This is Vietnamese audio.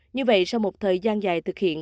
như vậy sau một thời gian dài thực hiện